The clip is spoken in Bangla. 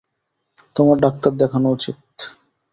তোমার ডাক্তার দেখানো উচিত।